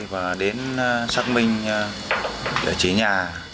và đến xác minh để trí nhà